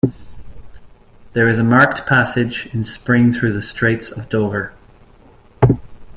There is a marked passage in spring through the Straits of Dover.